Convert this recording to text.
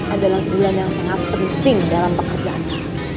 adalah bulan yang sangat penting dalam pekerjaannya